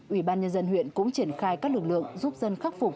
ủy ban nhân dân huyện cũng triển khai các lực lượng giúp dân khắc phục